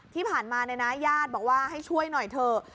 ที่ผ่านมาเนี่ยนะญาติบอกว่าให้ช่วยหน่อยเถอะ